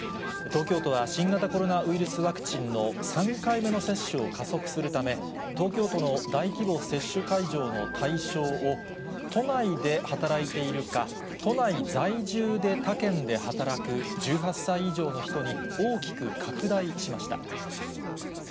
東京都は新型コロナウイルスワクチンの３回目の接種を加速するため、東京都の大規模接種会場の対象を、都内で働いているか、都内在住で、他県で働く１８歳以上の人に大きく拡大しました。